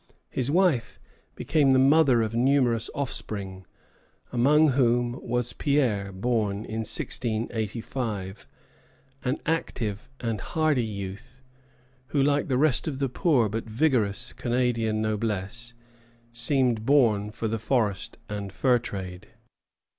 His wife became the mother of numerous offspring, among whom was Pierre, born in 1685, an active and hardy youth, who, like the rest of the poor but vigorous Canadian noblesse, seemed born for the forest and the fur trade.